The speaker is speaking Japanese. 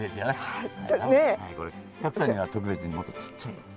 賀来さんには特別にもっとちっちゃいやつ。